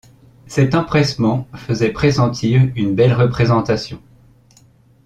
Cet empressement faisait pressentir une belle représentation.